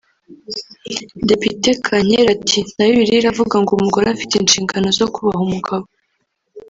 Depite Kankera ati “Na Bibiliya iravuga ngo umugore afite inshingano zo kubaha umugabo